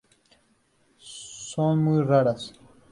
Son muy raras.